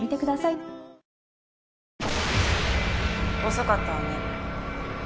遅かったわね。